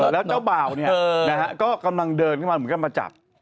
แล้วเจ้าบ่าวก็กำลังเดินเข้ามาเหมือนกันมาจับ